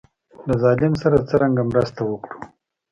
له ظالم سره څرنګه مرسته وکړو.